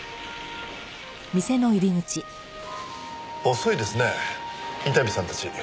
遅いですね伊丹さんたち。